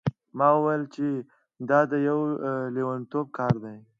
ما وویل چې دا د یو لیونتوب کار دی.